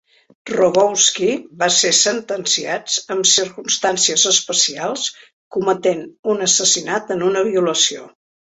Rogowski va ser sentenciat amb "circumstàncies especials", cometent un assassinat en una violació.